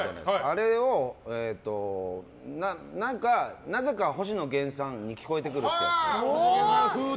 あれを何かなぜか星野源さんに聞こえてくるってやつ。